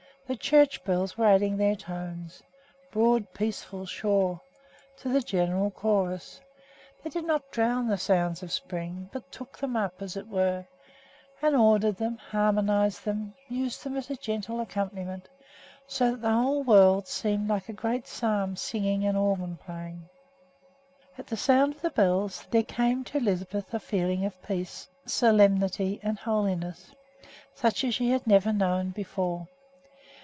The church bells were adding their tones broad, peaceful, sure to the general chorus. They did not drown the sounds of the spring, but took them up, as it were, and ordered them, harmonized them, used them as a gentle accompaniment; so that the whole seemed like a great psalm singing and organ playing. At the sound of the bells there came to Lisbeth a feeling of peace, solemnity, and holiness, such as she had never known before.